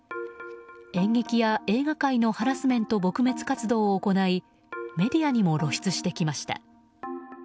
演劇や映画界のハラスメント撲滅活動を行いメディアにも露出してきました。